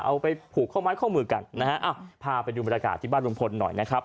เอาไปผูกข้อไม้ข้อมือกันนะฮะอ้าวพาไปดูบรรยากาศที่บ้านลุงพลหน่อยนะครับ